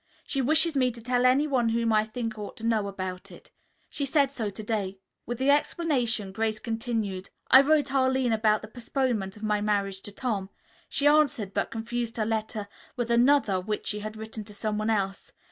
She wishes me to tell anyone whom I think ought to know it. She said so to day." With this explanation Grace continued: "I wrote Arline about the postponement of my marriage to Tom. She answered, but confused her letter with another which she had written to someone else.